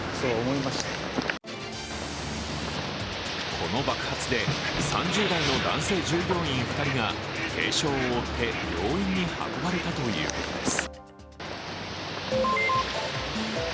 この爆発で３０代の男性従業員２人が軽傷を負って病院に運ばれたということです。